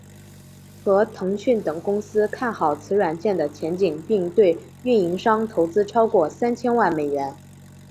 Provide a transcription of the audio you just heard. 和腾讯等公司看好此软件的前景并对运营商投资超过三千万美元。